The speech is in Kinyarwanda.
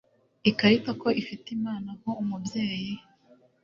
ikirata ko ifite imana ho umubyeyi